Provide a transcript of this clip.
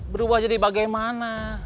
berubah jadi bagaimana